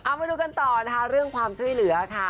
มาดูกันต่อนะคะเรื่องความช่วยเหลือค่ะ